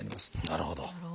なるほど。